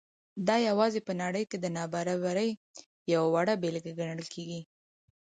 دا یوازې په نړۍ کې د نابرابرۍ یوه وړه بېلګه ګڼل کېږي.